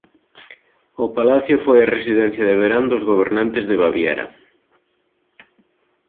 O palacio foi a residencia de verán dos gobernantes de Baviera.